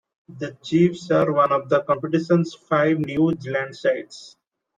The Chiefs are one of the competition's five New Zealand sides.